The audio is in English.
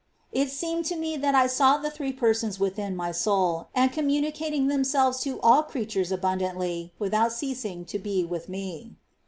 It seemed to me that I saw the Three Persons within my soul, and communicating Themselves to all creatures abundantly without ceasing to be with me.